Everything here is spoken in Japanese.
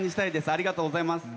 ありがとうございます。